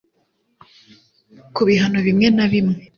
KU BIHANO BIMWE NA BIMWE